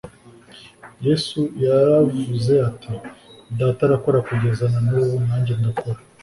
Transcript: Yesu yaravmze ati: " Data arakora kugeza na n'ubu nanjye ndakora"